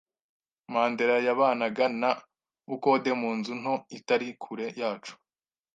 Mandera yabanaga nta bukode mu nzu nto itari kure yacu.